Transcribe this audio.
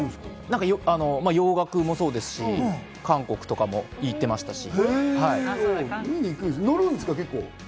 洋楽もそうですし、韓国とかも行ってましたし。